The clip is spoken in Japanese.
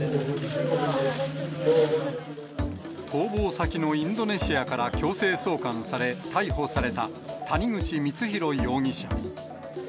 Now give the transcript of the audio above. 逃亡先のインドネシアから強制送還され、逮捕された谷口光弘容疑者。